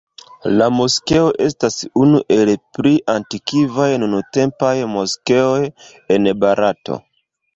La moskeo estas unu el pli antikvaj nuntempaj moskeoj en Barato.